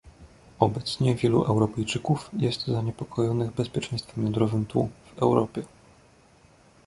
Obecnie wielu Europejczyków jest zaniepokojonych bezpieczeństwem jądrowym tu, w Europie